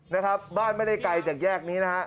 นะครับบ้านไม่ได้ไกลจากแยกนี้นะฮะ